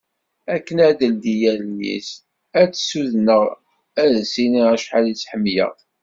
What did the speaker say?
Akken ad d-teldi allen-is ad tt-ssudneɣ ad s-iniɣ acḥal i tt-ḥemmleɣ.